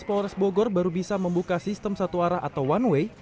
polres bogor baru bisa membuka sistem satu arah atau one way